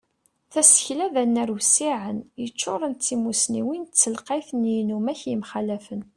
Tasekla d anar wissiɛen, yeččuren d timusniwin d telqayt n yinumak yemxalafen.